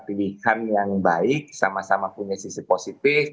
pilihan yang baik sama sama punya sisi positif